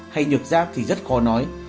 hay nhược giáp thì rất khó nói